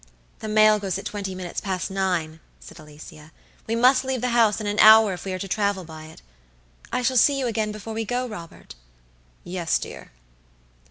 "The mail goes at twenty minutes past nine," said Alicia; "we must leave the house in an hour if we are to travel by it. I shall see you again before we go, Robert?" "Yes, dear."